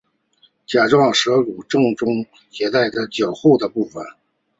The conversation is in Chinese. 甲状舌骨正中韧带是较厚的部分。